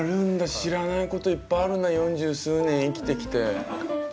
知らないこといっぱいあるな四十数年生きてきて。